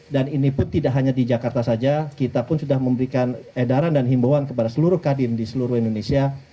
dan ini pun tidak hanya di jakarta saja kita pun sudah memberikan edaran dan himbawan kepada seluruh kadin di seluruh indonesia